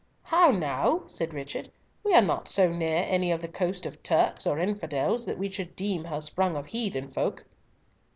"How now?" said Richard, "we are not so near any coast of Turks or Infidels that we should deem her sprung of heathen folk."